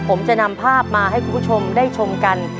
ผมจะนำภาพมาให้คุณผู้ชมได้ชมกัน